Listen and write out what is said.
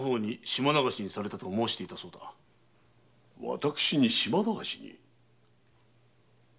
私が島流しに？